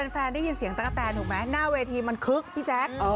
แฟนได้ยินเสียงตะกะแตนถูกไหมหน้าเวทีมันคึกพี่แจ๊ค